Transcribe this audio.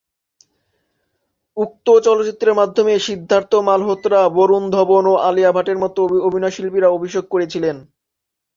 উক্ত চলচ্চিত্রের মাধ্যমে সিদ্ধার্থ মালহোত্রা, বরুণ ধবন ও আলিয়া ভাটের মতো অভিনয়শিল্পীরা অভিষেক করেছিলেন।